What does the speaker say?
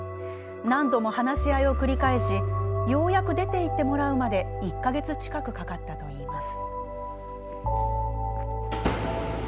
何度も話し合いを繰り返しようやく出て行ってもらうまで１か月近くかかったといいます。